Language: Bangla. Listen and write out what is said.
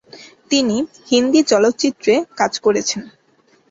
তিনি হিন্দি চলচ্চিত্রে কাজ করেছেন।